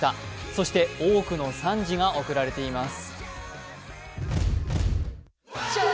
そして多くの賛辞が贈られています。